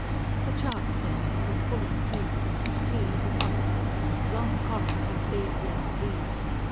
The charts they made were full of 'P's, P for positive, long columns of big, red 'P's.